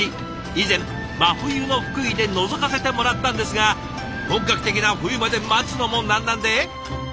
以前真冬の福井でのぞかせてもらったんですが本格的な冬まで待つのもなんなんで。